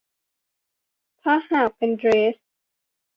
แต่ถ้าหากเป็นเดรส